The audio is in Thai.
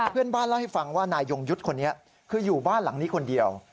เพื่อนบ้านเล่าให้ฟังว่านายยงยุทธ์คนนี้คืออยู่บ้านหลังนี้คนเดียว